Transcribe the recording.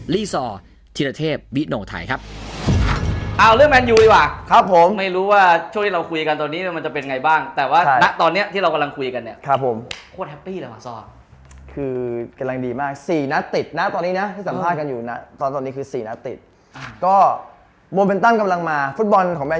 ลีซอร์ธินเทพวิทโนไทยครับ